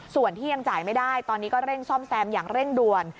ส่วนที่ยังจ่ายไม่ได้ตอนนี้ก็เร่งซ่อมแซมอย่างเร่งด่วน